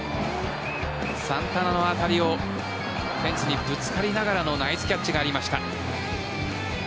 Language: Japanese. サンタナの当たりをフェンスにぶつかりながらのナイスキャッチがありました。